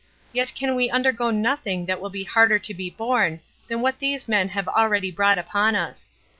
] yet can we undergo nothing that will be harder to be borne than what these men have already brought upon us.